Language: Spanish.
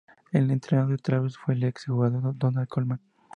El entrenador de Travers fue el ex jugador Donald Colman.